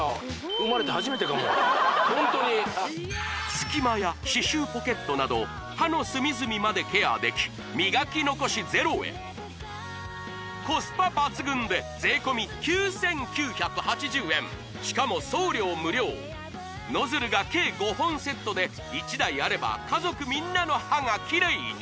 ホントに隙間や歯周ポケットなど歯の隅々までケアでき磨き残しゼロへコスパ抜群でノズルが計５本セットで１台あれば家族みんなの歯がキレイに！